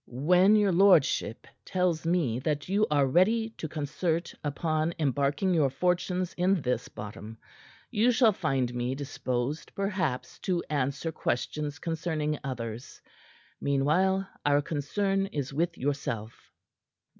"When your lordship tells me that you are ready to concert upon embarking your fortunes in this bottom, you shall find me disposed, perhaps, to answer questions concerning others. Meanwhile, our concern is with yourself."